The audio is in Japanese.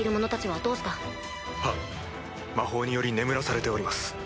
はっ魔法により眠らされております。